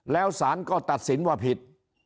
แล้วสารก็ตัดสินว่าผิด